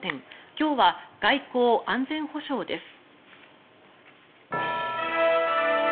今日は外交・安全保障です。